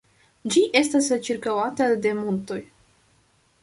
Ĝi estas ĉirkaŭata de montoj.